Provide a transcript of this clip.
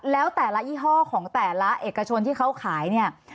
แล้วแต่ละยี่ห้อของแต่ละเอกชนที่เขาขายเนี่ย